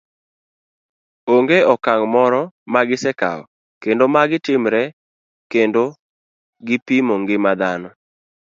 Ong'e okang' moro magi sekawo kendo magi timre kendo gi pimo ngima dhano.